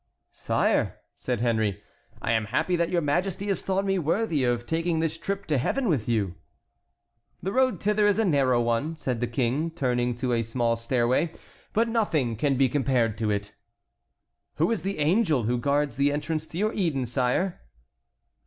"Sire," said Henry, "I am happy that your Majesty has thought me worthy of taking this trip to Heaven with you." "The road thither is a narrow one," said the King, turning to a small stairway, "but nothing can be compared to it." "Who is the angel who guards the entrance to your Eden, sire?"